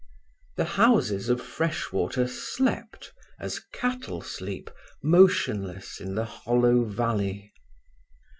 The houses of Freshwater slept, as cattle sleep motionless in the hollow valley.